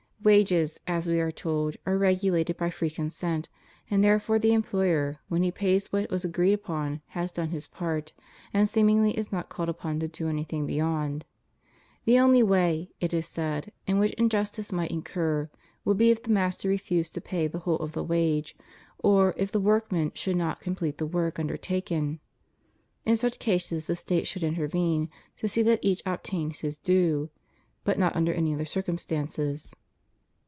Wages, as we are told, are regulated by free consent, and there fore the employer, when he pays what was agreed upon, has done his part and seemingly is not called upon to do anything beyond. The only way, it is said, in which in justice might occur would be if the master refused to pay the whole of the wages, or if the workman should not complete the work undertaken; in such cases the State should intervene, to see that each obtains his due — but not under any other circumstances.